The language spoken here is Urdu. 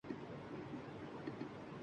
اور کت پناہ جھیل وغیرہ شامل ہیں